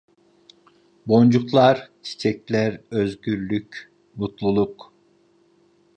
Boncuklar, çiçekler, özgürlük, mutluluk